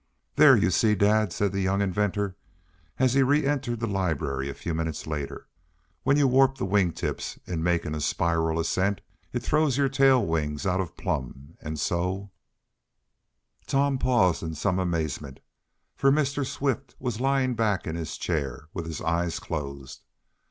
"There, you see, dad," said the young inventor as he re entered the library a few minutes later, "when you warp the wing tips in making a spiral ascent it throws your tail wings out of plumb, and so " Tom paused in some amazement, for Mr. Swift was lying back in his chair, with his eyes closed.